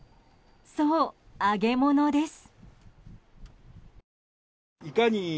そう、揚げ物です。